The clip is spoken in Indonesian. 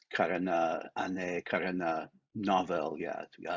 karena aneh karena novel ya